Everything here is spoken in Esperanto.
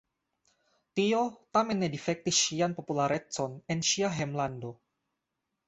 Tio tamen ne difektis ŝian popularecon en ŝia hejmlando.